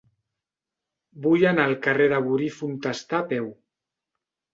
Vull anar al carrer de Bori i Fontestà a peu.